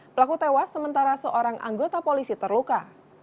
pelaku tewas sementara seorang anggota polisi terluka